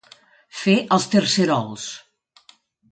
Fer els tercerols.